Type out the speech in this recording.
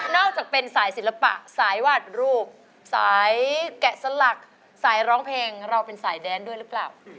อกจากเป็นสายศิลปะสายวาดรูปสายแกะสลักสายร้องเพลงเราเป็นสายแดนด้วยหรือเปล่า